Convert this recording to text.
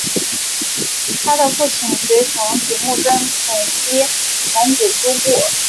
他和父亲随从铁木真统一蒙古诸部。